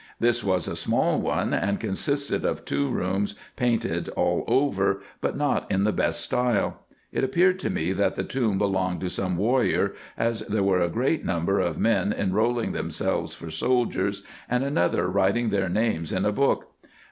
This was a small one, and consisted of two rooms painted all over, but not in the best style. It appeared to me that the tomb belonged to some warrior, as there were a great number of men enrolling themselves for soldiers, and another writing their names in a book.